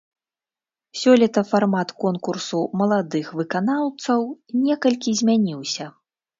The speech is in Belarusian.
Сёлета фармат конкурсу маладых выканаўцаў некалькі змяніўся.